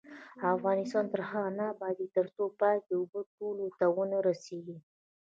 افغانستان تر هغو نه ابادیږي، ترڅو پاکې اوبه ټولو ته ونه رسیږي.